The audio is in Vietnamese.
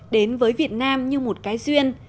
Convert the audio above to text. đến với việt nam như một cái duyên